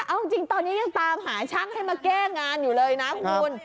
เอาจริงตอนนี้ยังตามหาช่างให้มาแก้งานอยู่เลยนะคุณ